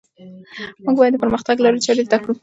موږ باید د پرمختګ لارې چارې زده کړو.